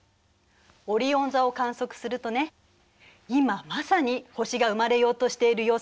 オリオン座を観測するとね今まさに星が生まれようとしている様子が見られるのよ。